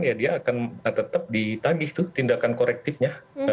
ya dia akan tetap ditabih itu tindakan korektifnya